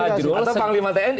atau panglima tni